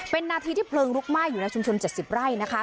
เป็นนาทีที่เพลิงลุกไหม้อยู่ในชุมชน๗๐ไร่นะคะ